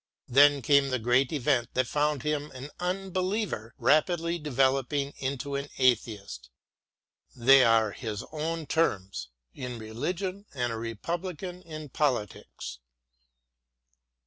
Then came the great event which found him an unbeliever rapidly developing into an atheist — they are his own terms — ^in religion, and a republican in politics.